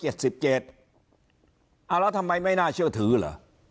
แล้วทำไมไม่น่าเชื่อถือเหรอ